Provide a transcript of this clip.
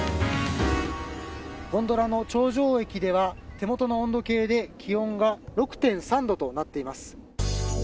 ゴンドラの頂上駅では手元の温度計で気温が６．３度となっています。